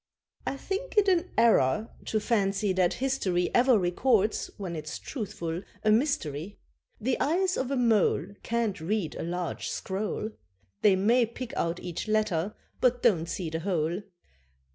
I think it an error, to fancy that history Ever records (when it's truthful) a mystery. The eyes of a mole Can't read a large scroll; They may pick out each letter, but don't see the whole.